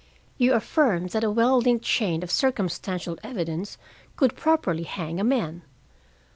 You affirmed that a well linked chain of circumstantial evidence could properly hang a man.